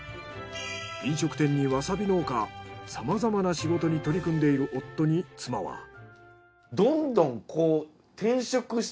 飲食店にわさび農家さまざまな仕事に取り組んでいる夫に妻は。